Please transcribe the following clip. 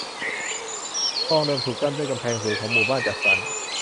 คลองเดิมถูกกั้นด้วยกำแพงสูงของหมู่บ้านจัดสรร